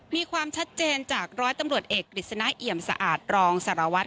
มีความชัดเจนจากร้อยตำรวจเอกกฤษณะเอี่ยมสะอาดรองสารวัตร